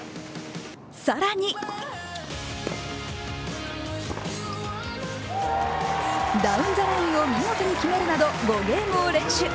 更にダウンザラインを見事に決めるなど５ゲームを連取。